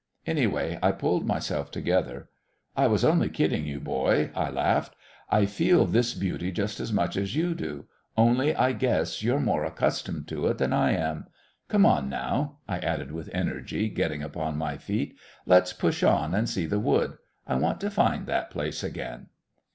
Anyway, I pulled myself together. "I was only kidding you, boy," I laughed. "I feel this beauty just as much as you do. Only, I guess, you're more accustomed to it than I am. Come on now," I added with energy, getting upon my feet, "let's push on and see the wood. I want to find that place again."